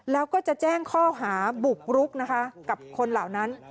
แล้วก็จะแจ้งข้อหาบุกรุกนะคะกับคนเหล่านั้น